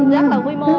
rất là quy mô